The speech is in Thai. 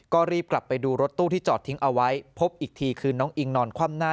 ก็รีบกลับไปดูรถตู้ที่จอดทิ้งเอาไว้พบอีกทีคือน้องอิงนอนคว่ำหน้า